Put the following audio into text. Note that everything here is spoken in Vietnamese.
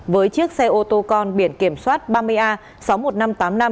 với chiếc xe ô tô con biển kiểm soát ba mươi a sáu mươi một nghìn năm trăm tám mươi năm